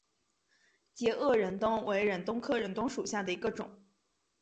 截萼忍冬为忍冬科忍冬属下的一个种。